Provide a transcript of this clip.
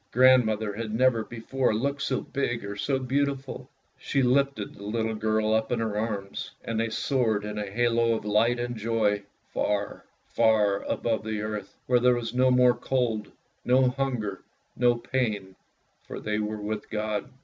Grandmother had never before looked so big or so beautiful. She lifted the little girl up in her arms, and they soared in a halo of light and joy, far, far above the earth, where there was no more cold, no hunger, no pain, for they were with God.